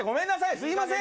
すみません。